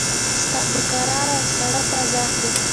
ستا په کراره او ساړه فضاکې